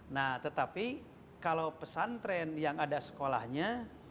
nah tetapi kalau pesantren yang ada sekolahnya